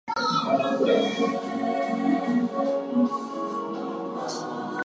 Part of the college settled temporarily at Crook Hall northwest of Durham.